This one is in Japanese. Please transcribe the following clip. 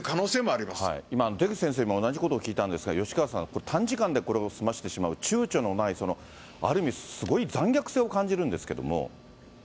出口先生にも同じことを聞いたんですが、吉川さん、短時間でこれを済ましてしまう、ちゅうちょのない、ある意味すごい残虐性を感じるんですけども。